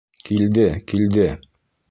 Килде, килде.